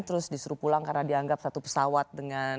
terus disuruh pulang karena dianggap satu pesawat dengan